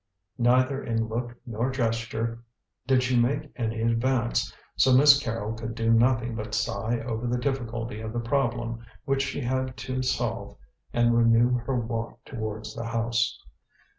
Neither in look nor gesture did she make any advance, so Miss Carrol could do nothing but sigh over the difficulty of the problem which she had to solve, and renew her walk towards the house.